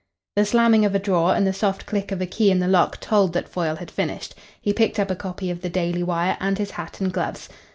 The slamming of a drawer and the soft click of a key in the lock told that Foyle had finished. He picked up a copy of the Daily Wire and his hat and gloves.